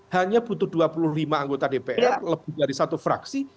hanya butuh dua puluh lima anggota dpr lebih dari satu fraksi